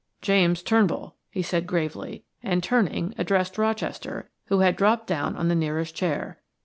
"James Turnbull," he said gravely, and turning, addressed Rochester, who had dropped down on the nearest chair.